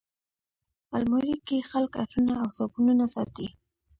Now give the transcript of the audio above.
الماري کې خلک عطرونه او صابونونه ساتي